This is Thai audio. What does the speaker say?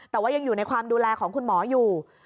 แต่ว่ายังอยู่ในความดูแลของคุณหมออยู่